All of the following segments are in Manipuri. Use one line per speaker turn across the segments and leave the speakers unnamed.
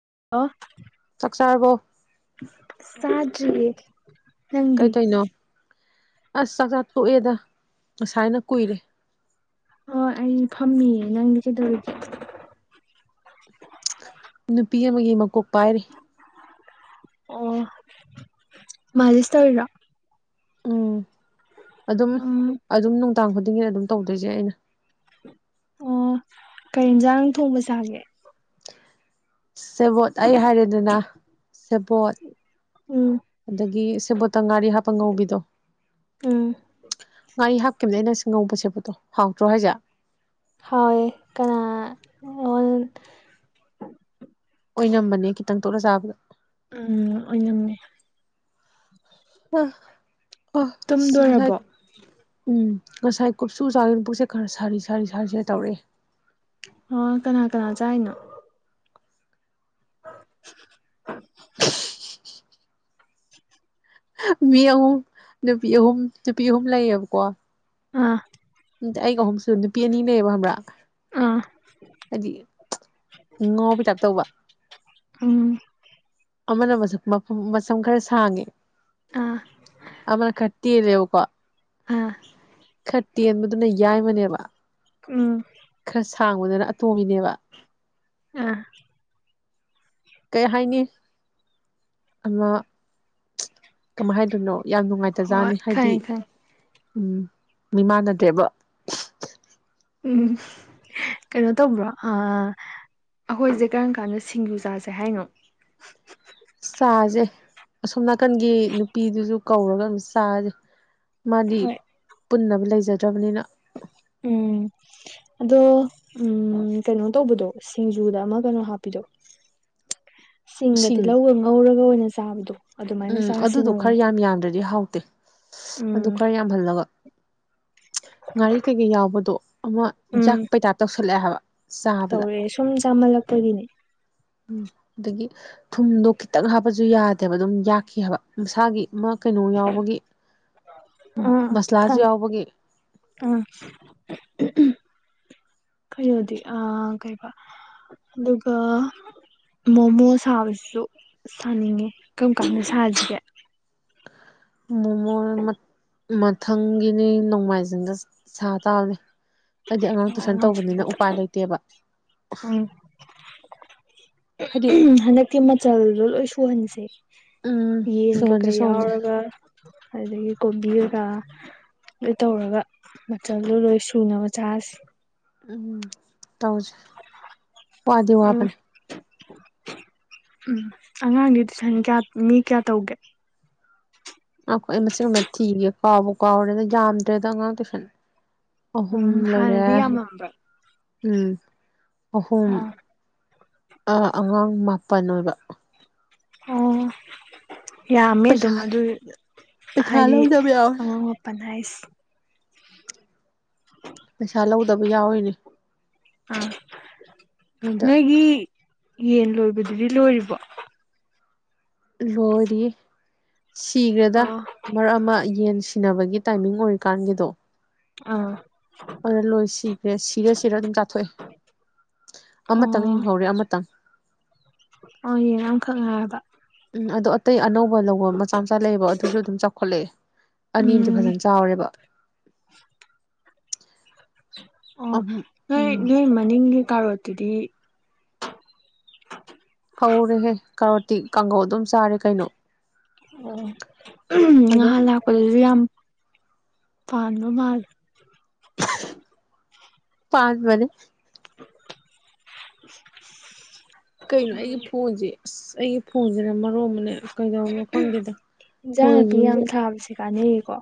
[unintelligible]
ꯆꯥꯛ ꯆꯥꯔꯔꯕꯣ
ꯁꯥꯗ꯭ꯔꯤꯌꯦ ꯅꯪꯗꯤ
ꯀꯩ ꯀꯩꯅꯣ ꯑꯁ ꯆꯥꯛꯆꯥꯥ ꯇꯣꯛꯑꯦꯗ ꯉꯁꯥꯏꯅ ꯀꯨꯏꯔꯦ
ꯍꯣꯏ ꯑꯩ ꯐꯝꯃꯤꯌꯦ ꯅꯪꯗꯤ ꯀꯩꯗꯧꯔꯤꯒꯦ
ꯅꯨꯄꯤ ꯑꯃꯒꯤ ꯃꯀꯣꯛ ꯄꯥꯏꯔꯤ
ꯑꯣ ꯃꯥꯖꯤꯦꯁ ꯇꯋꯔ
ꯎꯝ ꯑꯗꯨꯝ
ꯎꯝ
ꯑꯗꯨꯝ ꯅꯨꯡꯗꯥꯡ ꯈꯨꯗꯤꯡꯒꯤꯗ ꯑꯗꯨꯝ ꯇꯧꯗꯣꯏꯁꯦ ꯑꯩꯅ
ꯑꯣ ꯀꯩ ꯌꯦꯖꯥꯡ ꯅꯪ ꯊꯣꯡꯕ ꯁꯥꯒꯦ
ꯁꯦꯕꯣꯠ ꯑꯩ ꯍꯥꯏꯔꯦꯗꯅ ꯁꯦꯕꯣꯠ
ꯎꯝ
ꯑꯗꯒꯤ ꯁꯦꯕꯣꯠꯇ ꯉꯥꯔꯤ ꯍꯥꯞꯄ ꯉꯧꯕꯤꯗꯣ
ꯎꯝ
ꯉꯥꯔꯤ ꯍꯥꯞꯈꯤꯕꯅꯦ ꯑꯩꯅ ꯁꯤ ꯉꯧꯕ ꯁꯦꯄꯠꯇꯣ ꯍꯥꯎꯗ꯭ꯔꯣ ꯍꯥꯏꯁꯦꯠ
ꯍ ꯀꯅꯥ
ꯑꯣꯏꯅꯝꯕꯅꯦ ꯈꯤꯇꯪ ꯇꯣꯠꯂ ꯆꯥꯕꯗ
ꯎꯝ ꯑꯣꯅꯦ
ꯑ ꯑ ꯀꯥꯏ
ꯇꯨꯝꯗꯣꯏꯔꯕꯣ
ꯎꯝ ꯉꯁꯥꯏ ꯀꯨꯞꯁꯨ ꯆꯥꯅ ꯄꯨꯛꯁꯦ ꯈꯔ ꯁꯥꯔꯤ ꯁꯥꯔꯤ ꯁꯥꯔꯤꯁꯦ ꯇꯧꯔꯛꯦ
ꯍ ꯀꯅꯥ ꯀꯅꯥ ꯆꯥꯏꯅꯣ [unintelligible]
ꯃꯤ ꯑꯍꯨꯝ ꯅꯨꯄꯤ ꯑꯍꯨꯝ ꯅꯨꯄꯤ ꯑꯍꯨꯝ ꯂꯩꯌꯦꯕꯀꯣ
ꯑꯥ
ꯝ ꯑꯩꯒ ꯑꯍꯨꯝꯁꯨ ꯅꯨꯄꯤ ꯑꯅꯤ ꯂꯩꯌꯦꯕ ꯈꯪꯕ꯭ꯔꯥ
ꯑꯥ
ꯍꯥꯏꯗꯤ ꯉ ꯄꯤꯇꯞ ꯇꯧꯕ
ꯎꯝ
ꯑꯃꯅ ꯃ ꯈꯔ ꯁꯥꯡꯉꯦ
ꯑꯥ
ꯇꯤꯔꯦꯕꯀꯣ
ꯑꯥ
ꯇꯦꯟꯕꯗꯨꯅ ꯌꯥꯏꯃꯅꯦꯕ
ꯎꯝ
ꯊꯥꯡꯕꯗꯅ ꯑꯇꯣꯝꯕꯤꯅꯦꯕ
ꯑ
ꯀꯩ ꯍꯥꯏꯅꯤ ꯑꯃ ꯀꯃꯥꯏ ꯍꯥꯏꯗꯣꯏꯅꯣ ꯌꯥꯝ
ꯍꯣꯏ
ꯅꯨꯡꯉꯥꯏꯇꯖꯥꯠꯅꯤ ꯍꯥꯏꯗꯤ
ꯈꯪꯉꯦ ꯈꯪꯉꯦ
ꯎꯝ ꯃꯤꯃꯥꯟꯅꯗ꯭ꯔꯦꯕ
ꯎꯝ ꯀꯩꯅꯣ ꯇꯧꯕ꯭ꯔꯣ ꯑ ꯑꯩꯈꯣꯏꯁꯦ ꯀꯔꯝ ꯀꯥꯟꯗ ꯁꯤꯡꯖꯨꯖꯥꯁꯦ ꯍꯥꯏꯅꯣ
ꯆꯥꯁꯦ ꯑꯁꯣꯝ ꯅꯥꯀꯟꯒꯤ ꯅꯨꯄꯤꯗꯨꯁꯨ ꯀꯧꯔꯒ ꯑꯗꯨꯝ ꯆꯥꯁꯦ ꯃꯥꯗꯤ
ꯍꯣꯏ
ꯄꯨꯟꯅꯕ ꯂꯩꯖꯗ꯭ꯔꯕꯅꯤꯅ
[unintelligible] ꯎꯝ ꯑꯗꯣ ꯎꯝ ꯀꯩꯅꯣ ꯇꯧꯕꯗꯣ ꯁꯤꯡꯖꯨꯗ ꯑꯃ ꯀꯩꯅꯣ ꯍꯥꯞꯄꯤꯗꯣ ꯁꯤꯡꯒ
ꯁꯤꯡ
ꯇꯤꯜꯍꯧꯒ ꯉꯧꯔꯒ ꯑꯣꯏꯅ ꯆꯥꯕꯗꯣ ꯑꯗꯨꯃꯥꯏꯅ
ꯎꯝ
ꯆꯥꯁꯤ
ꯑꯗꯨꯗꯣ
ꯅꯣꯡꯃ
ꯈꯔ ꯌꯥꯝ ꯌꯥꯝꯗ꯭ꯔꯗꯤ ꯍꯥꯎꯇꯦ ꯑꯗꯨ
ꯎꯝ
ꯈꯔ ꯌꯥꯝꯍꯜꯂꯒ ꯉꯥꯔꯤ ꯀꯩꯀꯩ ꯌꯥꯎꯕꯗꯣ ꯑꯃ ꯌꯥꯛ
ꯎꯝ
ꯄꯩꯇꯥ ꯇꯧꯁꯜꯂꯛꯑꯦ ꯍꯥꯏꯕ ꯆꯥꯕꯗ
ꯇꯧꯔꯛꯑꯦ ꯁꯨꯝ ꯆꯥꯍꯜꯂꯛꯄꯒꯤꯅꯦ
ꯎꯝ ꯑꯗꯒꯤ ꯊꯨꯝꯗꯣ ꯈꯤꯇꯪ ꯍꯥꯞꯄꯁꯨ ꯌꯥꯗꯦꯕ ꯑꯗꯨꯝ ꯌꯥꯛꯈꯤ ꯍꯥꯏꯕ ꯃꯁꯥꯒꯤ ꯃꯥ ꯀꯩꯅꯣ ꯌꯥꯎꯕꯒꯤ
ꯑꯥ ꯈ
ꯃꯁꯂꯥꯁꯨ ꯌꯥꯎꯕꯒꯤ
ꯑꯥ ꯀꯩꯣꯗꯤ ꯑ ꯀꯩꯕ ꯑꯗꯨꯒ ꯃꯣꯃꯣ ꯁꯥꯕꯕꯁꯤꯁꯨ ꯁꯥꯅꯤꯡꯉꯦ ꯀꯔꯝ ꯀꯥꯟꯝꯗ ꯁꯥꯁꯤꯒꯦ
ꯃꯣꯃꯣꯟ ꯃꯊꯪꯒꯤꯅꯤ ꯅꯣꯡꯃꯥꯏꯖꯤꯡꯗ ꯁꯥ ꯇꯥꯕꯅꯤ ꯑꯩꯗꯤ ꯑꯉꯥꯡ ꯇꯨꯏꯁꯟ ꯇꯧꯕꯅꯤꯅ ꯎꯄꯥꯏ ꯂꯩꯇꯦꯕ ꯍꯥꯏꯗꯤ
ꯍꯟꯗꯛꯇꯤ ꯃꯆꯜꯗꯣ ꯂꯣꯏ ꯁꯨꯍꯟꯁꯦ
ꯎꯝ
ꯌꯦꯟ꯭ꯔꯒ
ꯁꯣꯟꯁꯦ ꯁꯣꯟꯁꯦ
ꯌꯥꯎꯔꯒ ꯑꯗꯨꯗꯒꯤ ꯀꯣꯝꯕꯤ ꯒ ꯑꯗꯨꯣꯏ ꯇꯧꯔꯒ ꯃꯆꯜꯗꯨꯣ ꯂꯣꯏ ꯁꯨꯅꯕ ꯆꯥꯁ
ꯎꯝ ꯇꯧꯖ
ꯎꯝ
ꯄꯗꯑꯣꯅꯤ
ꯎꯝ ꯑꯉꯥꯡꯗꯤ ꯇꯨꯏꯁꯟ ꯀꯌꯥ ꯃꯤ ꯀꯌꯥ ꯇꯧꯒꯦ
ꯑꯥꯈꯣꯏ ꯑꯩ ꯃꯁꯤꯡ ꯑꯃ ꯊꯤꯒꯦ ꯀꯥꯎꯕ ꯀꯥꯎꯔꯦꯗ ꯌꯥꯝꯗ꯭ꯔꯦꯗ ꯑꯉꯥꯡ ꯇꯨꯏꯁꯟ ꯑꯍꯨꯝ
ꯎꯝ
ꯂꯩꯔꯦ
ꯍꯥꯟꯅꯗꯤ ꯌꯥꯝꯃꯝꯕ
ꯎꯝ ꯑꯍꯨꯝ
ꯑꯥ
ꯑꯉꯥꯡ ꯃꯥ ꯄꯟ ꯑꯣꯏꯕ
ꯑꯣ ꯌꯥꯝꯃꯦ
ꯄꯩꯁꯥ
ꯑꯗꯨꯝ ꯑꯗꯨ
ꯄꯩꯁꯥ
ꯍꯥꯏꯗꯤ
ꯂꯧꯗꯕ ꯌꯥꯎꯋꯦ
ꯑꯉꯥꯡ ꯃꯄꯟ ꯍꯥꯏꯁ
ꯄꯩꯁꯥ ꯂꯧꯗꯕ ꯌꯥꯎꯔꯤꯅꯤ
ꯑꯥ
ꯑꯗ
ꯅꯣꯏꯒꯤ ꯌꯦꯟ ꯂꯣꯏꯕꯗꯨꯗꯤ ꯂꯣꯏꯔꯤꯕꯣ
ꯂꯣꯏꯔꯤ ꯁꯤꯈ꯭ꯔꯦꯗ
ꯑꯥ
ꯃꯔꯛ ꯑꯃ ꯌꯦꯟꯁꯤ ꯊꯤꯅꯕꯒꯤ ꯇꯥꯏꯃꯤꯡ ꯑꯣꯏꯔꯤꯀꯥꯟꯒꯤꯗꯣ
ꯑꯥ
ꯑꯣꯗ ꯂꯣꯏ ꯁꯤꯈ꯭ꯔꯦ ꯁꯤꯔ ꯁꯤꯔ ꯑꯗꯨꯝ ꯆꯥꯊꯣꯛꯑꯦ ꯑꯃꯇꯪ
ꯑꯣ
ꯍꯤꯡꯍꯧꯔꯦ ꯑꯃꯇꯪ
ꯈꯪꯉꯗ
ꯎꯝ ꯑꯗꯣ ꯑꯇꯩ ꯑꯅꯧꯕ ꯂꯧꯕ ꯃꯆꯥ ꯃꯆꯥ ꯂꯩꯌꯦꯕ ꯑꯗꯨꯁꯨ ꯑꯗꯨꯝ ꯆꯥꯎꯈꯠꯂꯛꯑꯦ ꯑꯅꯤ ꯑꯝꯇ
ꯎꯝ
ꯐꯖꯅ ꯆꯥꯎꯔꯦꯕ
[unintelligible] ꯑꯣ
ꯑꯍꯨꯝ
ꯅꯣꯏ
ꯎꯝ
ꯂꯩꯃꯅꯤꯡ ꯇꯥꯔꯠꯇꯗꯤ
ꯍꯧꯔꯦꯍꯦ ꯀꯔꯇꯤ ꯀꯥꯡꯒꯧ ꯑꯗꯨꯝ ꯆꯥꯔꯦ ꯀꯩꯅꯣ
ꯑꯣ
ꯑꯗꯨꯝ
ꯍꯂ ꯀ ꯑꯗꯨ ꯌꯥꯝ ꯐꯥꯥꯟꯅꯣ ꯃꯥꯜ
ꯄꯥꯁꯕꯅꯦꯦ
[unintelligible]
ꯀꯩꯅꯣ ꯑꯩꯒꯤ ꯐꯣꯟꯁꯦ ꯑꯁ ꯑꯩꯒꯤ ꯐꯣꯟꯁꯤꯅ ꯃꯔꯣ ꯑꯃꯅꯦ ꯀꯩꯗꯅꯣ ꯐꯪꯗꯦꯗ
ꯏꯟꯖꯥꯡ ꯅꯥꯄꯤ
ꯐꯣꯟꯁꯤ
ꯌꯥꯝ ꯊꯥꯕꯁꯦ ꯀꯥꯟꯅꯩꯌꯦꯀꯣ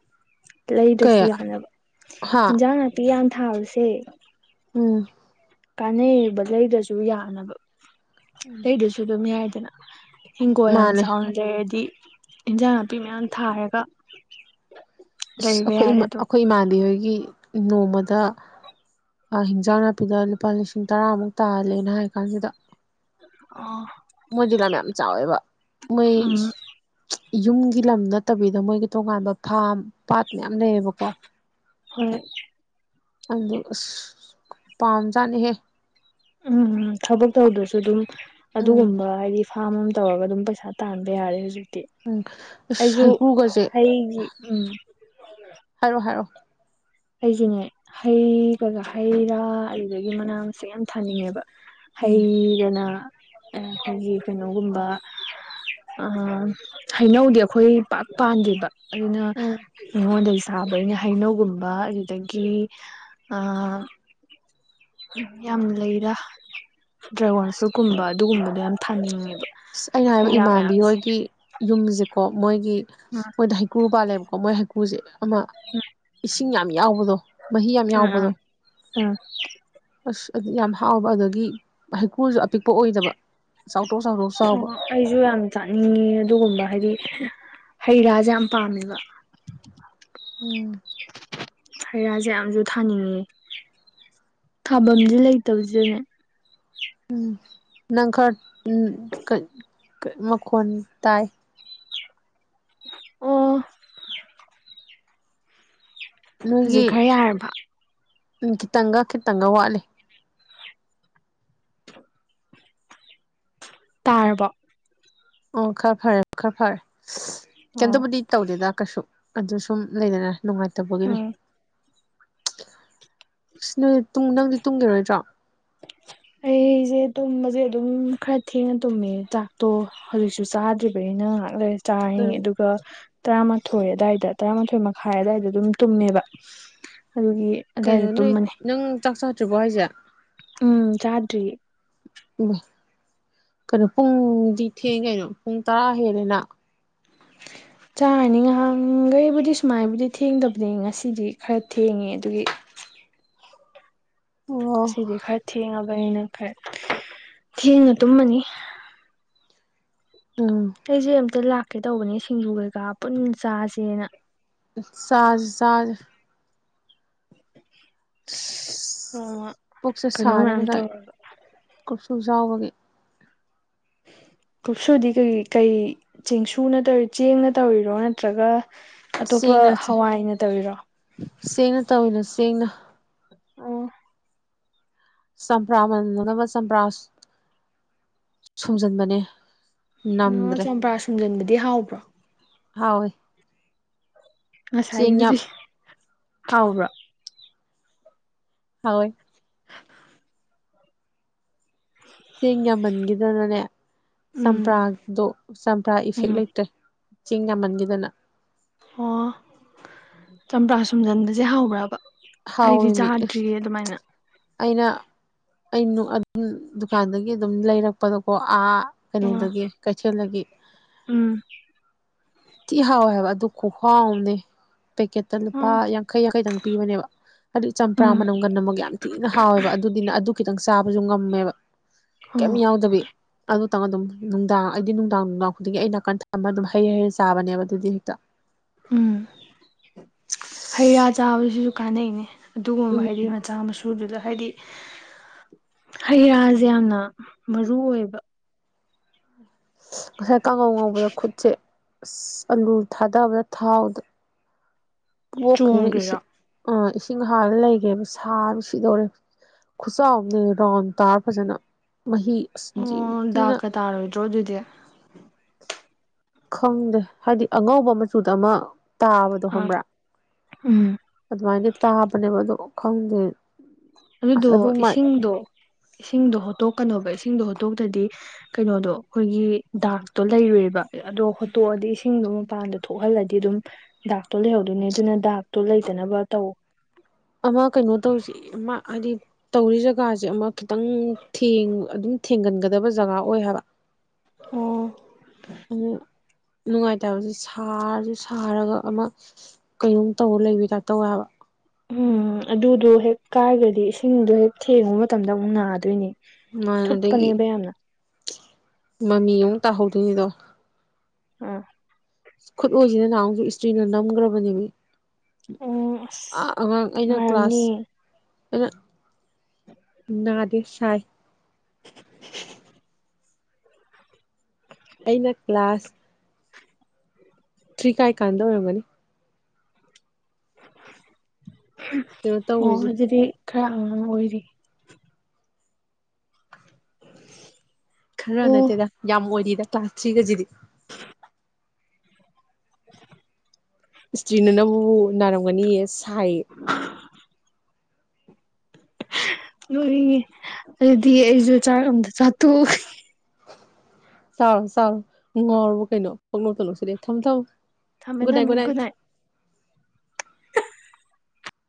ꯂꯩꯗ꯭ꯔꯁꯨ ꯌꯥꯅꯕ
ꯍꯥ
ꯍꯤꯟꯖꯥꯡ ꯅꯥꯇꯤ ꯌꯥꯝ ꯊꯥꯥꯎꯁꯦ
ꯎꯝ
ꯀꯥꯟꯅꯩꯕ ꯂꯩꯗꯁꯨ ꯌꯥꯅꯕ ꯂꯩꯗꯁꯨ ꯑꯗꯨꯝ ꯌꯥꯏꯗꯅ ꯍꯤꯡꯈꯣꯜ ꯌꯥꯝ
ꯃꯥꯅꯦ
ꯆꯥꯎꯅ ꯂꯩꯩꯔꯗꯤ ꯏꯟꯖꯥꯡ ꯅꯥꯄꯤ ꯃꯌꯥꯝ ꯊꯥꯔꯒ ꯂꯩꯕ
ꯑꯩꯈꯣꯏ
ꯌꯥꯔꯦ ꯑꯗꯨꯝ
ꯑꯩꯈꯣꯏ ꯏꯃꯥꯟꯗꯤ ꯍꯣꯏꯒꯤ ꯅꯣꯡꯃꯗ ꯑ ꯍꯤꯟꯖꯥꯡ ꯅꯥꯄꯤꯗ ꯂꯨꯄꯥ ꯂꯤꯁꯤꯡ ꯇꯔꯥꯃꯨꯛ ꯇꯥꯍꯜꯂꯦꯅ ꯍꯥꯏ ꯀꯥꯟꯁꯤꯗ
ꯑꯣ
ꯃꯣꯏꯗꯤ ꯂꯝꯥ ꯌꯥꯝ ꯆꯥꯎꯋꯦꯕ ꯃꯣꯏ
ꯎꯝ
ꯌꯨꯝꯒꯤ ꯂꯝ ꯅꯠꯇꯕꯤꯗ ꯃꯣꯏꯒꯤ ꯇꯣꯉꯥꯟꯕ ꯐꯥꯝ ꯄꯥꯠ ꯃꯌꯥꯝ ꯂꯩꯌꯦꯕꯀꯣ
ꯍꯣꯏ
ꯑꯗꯨ ꯑꯁ ꯄꯥꯝꯖꯥꯅꯤꯍꯦ
ꯎꯝꯝ ꯊꯕꯛ ꯇꯧꯗꯁꯨ ꯑꯗꯨꯝ
ꯎꯝ
ꯑꯗꯨꯒꯨꯝꯕ ꯍꯥꯏꯗꯤ ꯐꯥꯝ ꯑꯃ ꯇꯧꯔꯒ ꯑꯗꯨꯝ ꯄꯩꯁꯥ ꯇꯥꯟꯕ ꯌꯥ ꯌꯥꯔꯦ ꯍꯧꯖꯤꯛꯇꯤ
ꯑꯁ
ꯑꯩꯁꯨ
ꯍꯩꯀ꯭ꯔꯨꯒꯁꯦ
ꯍꯌꯦꯡꯒꯤ ꯎꯝ
ꯍꯥꯏꯔꯣ ꯍꯥꯏꯔꯣ
ꯑꯩꯁꯤꯅꯦ ꯍꯩ ꯀꯒꯥ ꯍꯩ ꯔꯥ ꯑꯗꯨꯗꯒꯤ ꯃꯅꯥ ꯃꯁꯤꯡ ꯌꯥꯝ ꯊꯥꯅꯤꯡꯉꯦꯕ
ꯎꯝ
ꯍꯩꯗꯅ ꯑꯩꯒꯤ ꯀꯩꯅꯣꯒꯨꯝꯕ ꯍꯩꯅꯧꯗꯤ ꯑꯩꯈꯣꯏ ꯄꯥꯛ ꯄꯥꯟꯗꯦꯕ ꯑꯗꯨꯅ
ꯎꯝ
ꯑꯩꯉꯣꯟꯗꯒꯤ ꯁꯥꯕ ꯑꯩꯅ ꯍꯩꯅꯧꯒꯨꯝꯕ ꯝꯕ ꯑꯗꯨꯗꯒꯤ ꯑ ꯌꯥꯝ ꯂꯩꯔ ꯗ꯭ꯔꯥꯒꯣꯟ ꯐ꯭ꯔꯨꯏꯠꯀꯨꯝꯕ ꯑꯗꯨꯒꯨꯝꯕꯗꯣ ꯌꯥꯝ ꯊꯥꯅꯤꯡꯉꯦꯕ
ꯑꯁ ꯑꯩꯅ ꯍꯥꯏꯕ
ꯍꯩ ꯔꯥ
ꯏꯃꯥꯟꯗꯤ
ꯃꯌꯥꯝꯁꯦ
ꯍꯣꯏꯒꯤ ꯌꯨꯝꯁꯦꯀꯣ ꯃꯣꯏꯒꯤ
ꯑꯥ
ꯃꯣꯏꯗ ꯍꯩꯀ꯭ꯔꯨ ꯄꯥꯜꯂꯦꯕ ꯀ ꯃꯣꯏ ꯍꯩꯀꯨꯁꯦ ꯑꯃ ꯏꯁꯤꯡ ꯌꯥꯝ ꯌꯥꯎꯕꯗꯣ ꯃꯍꯤ ꯌꯥꯝ
ꯑꯥ ꯑꯥ
ꯌꯥꯎꯕꯗꯣ ꯑꯁ ꯑꯗꯨ ꯌꯥꯝ ꯍꯥꯎꯕ ꯑꯗꯒꯤ ꯍꯩꯀ꯭ꯔꯨꯜꯁꯨ ꯑꯄꯤꯛꯄ ꯑꯣꯏꯗꯕ ꯆꯥꯎꯊꯣꯛ ꯆꯥꯎꯊꯣꯛ ꯆꯥꯎꯕ
ꯑꯣ ꯑꯩꯁꯨ ꯌꯥꯝ ꯆꯥꯅꯤꯡꯉꯤ ꯑꯗꯨꯒꯨꯝꯕ ꯍꯥꯏꯗꯤ ꯍꯩ ꯔꯥꯁꯦ ꯌꯥꯝ ꯄꯥꯝꯃꯦꯕ
ꯎꯝ
ꯍꯩꯔꯥꯁꯦ ꯌꯥꯝꯁꯨ ꯊꯥꯅꯤꯡꯉꯦ ꯊꯥꯐꯝꯗꯤ ꯂꯩꯇꯕꯕꯁꯤꯗꯅꯦ
ꯎꯝ ꯅꯪ ꯈꯔ ꯎꯝ ꯃꯈꯣꯟ ꯇꯥꯏ
ꯑꯣ ꯍꯧꯖꯤꯛ ꯈꯔ ꯌꯥꯔꯕ
ꯎꯝ ꯈꯤꯇꯪꯒ ꯈꯤꯇꯪꯒ ꯋꯥꯠꯂꯦ
ꯇꯥꯔꯕ
ꯑꯣ ꯈꯔ ꯐꯔꯦ ꯈꯔ ꯐꯔꯦ
ꯑꯣ
ꯀꯩꯝꯇꯕꯨꯗꯤ ꯇꯧꯗꯦꯗ ꯀꯩꯁꯨ ꯑꯗꯨ ꯁꯨꯝ ꯂꯩꯅꯔꯦ ꯅꯨꯡꯉꯥꯏꯇꯕꯒꯤꯅꯦ
ꯎꯝ
ꯅꯨꯡ ꯅꯪꯗꯤ ꯇꯨꯡꯒꯤꯔꯣꯏꯗ꯭ꯔꯣ
ꯑꯩꯁꯦ ꯇꯨꯝꯕꯁꯦ ꯑꯗꯨꯝ ꯈꯔ ꯊꯦꯡꯅ ꯇꯨꯝꯃꯦ ꯆꯥꯛꯇꯣ ꯍꯧꯖꯤꯛꯁꯨ ꯆꯥꯗ꯭ꯔꯤꯕꯅꯤ ꯑꯩꯅ ꯉꯍꯥꯛ ꯂꯩ ꯆꯥ
ꯀꯩꯅꯣ
ꯑꯗꯨꯒ ꯇꯔꯥꯃꯥꯊꯣꯏ ꯑꯗꯨꯋꯥꯏꯗ ꯇꯔꯥꯃꯥꯊꯣꯏ ꯃꯈꯥꯏ ꯑꯗꯨꯋꯥꯏꯗ ꯑꯗꯨꯝ ꯇꯨꯝꯃꯦꯕ ꯑꯗꯨꯒꯤ ꯑꯗꯨꯋꯥꯏꯗ ꯇꯨꯝꯃꯅꯤ
ꯠꯇꯕ ꯍꯥꯏꯖꯤꯌꯥ
ꯎꯝ ꯆꯗ꯭ꯔꯤ
ꯀꯩꯅꯣ ꯄꯨꯡꯗꯤ ꯊꯦꯡ ꯀꯩꯅꯣ ꯄꯨꯡ ꯇꯔꯥ ꯍꯦꯜꯂꯦꯅ
[unintelligible] ꯆꯥꯔꯅꯤ ꯉꯍꯥꯟꯈꯩꯕꯨꯗꯤ ꯁꯨꯃꯥꯏꯕꯨꯗꯤ ꯊꯦꯡꯗꯕꯅꯤ ꯉꯁꯤꯗꯤ ꯈꯔ ꯊꯦꯡꯉꯦ ꯑꯗꯨꯒꯤ [unintelligible]
ꯑꯣ
ꯑꯁꯤꯗꯤ ꯈꯔ ꯊꯦꯡꯉꯕꯅꯤꯅ ꯈꯔ ꯊꯦꯡꯅ ꯇꯨꯝꯃꯅꯤ
ꯎꯝ
ꯑꯩꯁꯦ ꯑꯝꯇ ꯂꯥꯛꯀꯦ ꯇꯧꯕꯅꯦ ꯁꯤꯡꯖꯨ ꯀꯩꯀꯥ ꯄꯨꯟ ꯆꯥꯁꯦꯅ
ꯁꯥꯖ ꯁꯥ
[unintelligible] ꯅꯣꯡꯃ
ꯄꯨꯁꯦ
ꯀꯩꯅꯣ ꯃꯌꯥꯝ
ꯁꯔꯦꯡꯁ
ꯇꯧꯔꯒ
ꯂꯣꯡꯖꯥꯎꯕꯒꯤ
ꯀꯨꯞꯁꯨꯗꯤ ꯀꯩ ꯀꯩ ꯆꯦꯡꯁꯨꯅ ꯇꯧꯔꯤ ꯆꯦꯡꯅ ꯇꯧꯔꯤꯔꯣ ꯅꯠꯇ꯭ꯔꯒ ꯑꯇꯣꯞꯄ
ꯆꯦꯡꯅ
ꯍꯋꯥꯏꯅ ꯇꯧꯔꯤꯔꯣ
ꯆꯅ
ꯑ
ꯆꯝꯄ꯭ꯔꯥ ꯃꯅꯅꯕ ꯆꯝꯄ꯭ꯔꯥ ꯁꯨꯝꯖꯤꯟꯕꯅꯦ
ꯎ
ꯅꯝꯗ꯭ꯔꯦ
ꯆꯝꯄ꯭ꯔꯥ ꯁꯨꯝꯖꯤꯟꯕꯗꯤ ꯍꯥꯎꯕ꯭ꯔꯣ
ꯍꯧꯑꯦ
ꯉꯁꯥꯏꯒꯤꯗꯨꯗꯤ ꯍꯥꯎꯕ꯭ꯔꯥ
ꯍꯧꯑꯦ ꯆꯦꯡ ꯌꯥꯝꯃꯟꯈꯤꯗꯅꯅꯦ
ꯎꯝ
ꯆꯝꯄ꯭ꯔꯥꯗꯣ ꯆꯝꯄ꯭ꯔꯥ ꯏꯐꯦꯛ
ꯎꯝ
ꯂꯩꯇ꯭ꯔꯦ ꯆꯦꯡ ꯌꯥꯝꯃꯟꯈꯤꯗꯅ
ꯑꯣ ꯆꯝꯄ꯭ꯔꯥ ꯁꯨꯝꯖꯟꯕꯁꯦ ꯍꯥꯎꯕ꯭ꯔꯕ ꯑꯩꯗꯤ
ꯍꯥꯎꯋꯦ ꯃꯤ
ꯆꯥꯗ꯭ꯔꯤꯌꯦ ꯑꯗꯨꯃꯥꯏꯅ
ꯑꯩꯅ ꯑ ꯑꯗꯨꯝ ꯗꯨꯀꯥꯟꯗꯒꯤ ꯑꯗꯨꯝ ꯂꯩꯔꯛꯄꯗꯀꯣ ꯑꯥ
ꯑꯣ
ꯀꯩꯅꯣꯗꯒꯤ ꯀꯩꯊꯦꯜꯗꯒꯤ
ꯎꯝ
ꯊꯤ ꯍꯥꯎꯋꯦ ꯍꯥꯏꯕ ꯑꯗꯨ ꯈꯍꯥꯎ ꯑꯃꯅꯦ ꯄꯦꯛꯀꯦꯠꯇ ꯂꯨꯄꯥ ꯌꯥꯡꯈꯩ ꯌꯥꯡꯈꯩꯗꯪ ꯄꯤꯕꯅꯦꯕ ꯍꯥꯏꯗꯤ ꯆꯝꯄ꯭ꯔꯥ
ꯎꯝ
ꯃꯅꯨꯡꯒꯟ ꯑꯃꯨꯛ ꯌꯥꯝ ꯊꯤꯅ ꯍꯥꯎꯋꯦꯕ ꯑꯗꯨꯗꯤꯅ ꯑꯗꯨ ꯈꯤꯇꯪ ꯆꯥꯕꯁꯨ ꯉꯝꯃꯦꯕ
ꯑꯣ
ꯀꯩ ꯌꯥꯎꯗꯕꯤ ꯑꯗꯨ ꯈꯤꯇꯪ ꯑꯗꯨꯝ ꯅꯨꯡꯗꯥꯡ ꯑꯩꯗꯤ ꯅꯨꯡꯗꯥꯡ ꯅꯨꯡꯗꯥꯡ ꯈꯨꯗꯤꯡꯒꯤ ꯑ ꯅꯥꯀꯟ ꯊꯝꯃ ꯑꯗꯨꯝ ꯍꯩꯔꯩ ꯍꯩꯔ ꯆꯥꯕꯅꯦꯕ ꯑꯗꯨꯗꯤ ꯍꯦꯛꯇ
ꯎꯝ ꯍꯩ ꯔꯥ ꯆꯥꯕꯁꯤꯁꯨ ꯀꯥꯟꯅꯩꯅꯦ
ꯎꯝ
ꯑꯗꯨꯒꯨꯝꯕ ꯍꯥꯏꯗꯤ ꯃꯆꯥ ꯃꯁꯨꯗꯨꯗ ꯍꯥꯏꯗꯤ ꯍꯩꯔꯥꯁꯦ ꯌꯥꯝꯅ ꯃꯔꯨ ꯑꯣꯏꯕ
ꯉꯁꯥꯏ ꯀꯥꯡꯉꯧ ꯉꯧꯕꯗ ꯈꯨꯠꯁꯦ ꯑ ꯑꯂꯨ ꯊꯥꯗꯕꯗ ꯊꯥꯎꯗ ꯣꯈꯅꯤ ꯏ
ꯆꯣꯡꯈ꯭ꯔꯤꯔꯣ
ꯑꯥ ꯆꯤꯡꯍꯥꯗ ꯂꯩꯒꯦꯕ ꯁꯥꯅ ꯁꯤꯗꯧꯔꯦ ꯈꯨꯆꯥꯎ ꯑꯃꯅꯦ ꯔꯥꯎꯟ ꯇꯥꯔ ꯐꯖꯅ
ꯑꯣ
ꯃꯍꯅ
ꯗꯥꯛꯀ ꯇꯥꯔꯣꯏꯗ꯭ꯔꯣ ꯑꯗꯨꯗꯤ
ꯈꯪꯗꯦ ꯍꯥꯏꯗꯤ ꯑꯉꯧꯕ ꯃꯆꯨꯗ ꯑꯃ ꯇꯥꯕꯗꯣ
ꯑ
ꯍꯪꯕ꯭ꯔꯥ
ꯎꯝ
ꯑꯗꯨꯃꯥꯏꯅ ꯇꯥꯕꯅꯦꯕ ꯑꯗꯣ ꯈꯪꯗꯦ ꯑꯁ
ꯑꯗꯨꯗꯣ
ꯑꯗꯨ ꯃꯥꯏ
ꯏꯁꯤꯡꯗꯣ ꯏꯁꯤꯡꯗꯣ ꯍꯣꯠꯇꯣꯛꯀꯅꯣꯧꯕ ꯏꯁꯤꯡꯗꯣ ꯍꯣꯠꯇꯣꯛꯇꯗꯤ ꯀꯩꯅꯣꯗꯣ ꯑꯩꯈꯣꯏꯒꯤ ꯗꯥꯛꯇꯣ ꯂꯩꯔꯨꯏꯕ ꯑꯗꯣ ꯍꯣꯠꯇꯣꯛꯑꯗꯤ ꯏꯁꯤꯡꯗꯣ ꯃꯄꯥꯟꯗ ꯊꯣꯛꯍꯜꯂꯗꯤ ꯑꯗꯨꯝ ꯗꯥꯛꯇꯣ ꯂꯩꯍꯧꯗꯣꯏꯅꯦ ꯑꯗꯨꯅ ꯗꯥꯛꯇꯣ ꯂꯩꯇꯅꯕ ꯇꯧ
ꯑꯃ ꯀꯩꯅꯣ ꯇꯧꯁꯤ ꯑꯃ ꯍꯥꯏꯗꯤ ꯇꯧꯔꯤ ꯖꯒꯥꯁꯦ ꯑꯃ ꯈꯤꯇꯪ ꯊꯦꯡ ꯑꯗꯨꯝ ꯊꯦꯡꯒꯟꯒꯗꯕ ꯖꯒꯥ ꯑꯣꯏ ꯍꯥꯏꯕ ꯑꯗꯨ ꯅꯨꯡꯉꯥꯏꯇꯕꯁ ꯁꯥꯔꯁꯨ ꯁꯥꯔꯒ ꯑꯃ ꯀꯩꯅꯣꯝ ꯇꯧꯔ ꯂꯩꯕ ꯇꯥꯏꯞ ꯇꯧꯦ ꯍꯥꯏꯕ
ꯎꯝ ꯑꯗꯨꯗꯣ ꯍꯦꯛ ꯀꯥꯏꯔꯒꯗꯤ ꯏꯁꯤꯡꯗꯣ ꯍꯦꯛ ꯊꯦꯡꯉꯨꯕ ꯃꯇꯝꯗ ꯑꯃꯨꯛ ꯅꯥꯗꯣꯏꯅꯤ
ꯃꯥꯟ ꯑꯗꯒꯤ
ꯊꯨꯞꯄꯅꯦꯕ ꯌꯥꯝꯅ
ꯃꯃꯤ ꯑꯃꯨꯛ ꯇꯥꯍꯧꯗꯣꯏꯅꯤꯗꯣ
ꯑꯥ
ꯈꯨꯠꯂꯁꯤꯅ ꯅꯍꯥꯟꯁꯨ ꯏꯁꯇ꯭ꯔꯤꯅ ꯅꯝꯈ꯭ꯔꯕꯅꯦꯃꯤ ꯑꯉꯥꯡ ꯑꯩꯅ
ꯅꯨꯡꯉꯥꯏꯔꯝꯅꯤ
ꯀ꯭ꯂꯥꯁ ꯑ ꯅꯗ ꯁꯥꯏ ꯑꯩꯅ ꯀ꯭ꯂꯥꯁ ꯊ꯭ꯔꯤ ꯀꯥꯏ ꯀꯥꯟꯗ ꯑꯣꯏꯔꯝꯒꯅꯤ ꯀꯩꯅꯣ
ꯑꯣ
ꯇꯧꯔꯤꯁꯦ
ꯑꯗꯨꯗꯤ ꯈꯔ ꯑꯉꯥꯡ ꯑꯣꯏꯔꯤ
ꯈꯔ
ꯑꯣ
ꯅꯠꯇꯦꯗ ꯌꯥꯝ ꯑꯣꯏꯔꯤꯗ ꯀ꯭ꯂꯥꯁ ꯊ꯭ꯔꯤꯒꯁꯤꯗꯤ
[unintelligible]
ꯏꯁꯇ꯭ꯔꯤꯅꯅꯕꯕꯨ ꯅꯥꯔꯝꯒꯅꯤꯌꯦ ꯁꯥꯏꯌꯦ
ꯅꯣꯛꯅꯤꯡꯉꯦ ꯑꯗꯨꯗꯤ ꯑꯩꯁꯨ ꯆꯥꯛ ꯑꯝꯇꯥ ꯆꯥꯊꯣꯛ
ꯆꯥꯎꯔꯣ ꯆꯥꯎꯔꯣ ꯅꯨꯡꯉꯥꯎꯔꯣ ꯀꯩꯅꯣ ꯄꯪꯅꯣꯛꯇ ꯅꯣꯛꯁꯤꯜꯂꯛꯑꯦ ꯊꯝ ꯊꯝ
ꯊꯝꯃꯦ ꯊꯝꯃꯦ ꯒꯨꯠ ꯅꯥꯏꯠ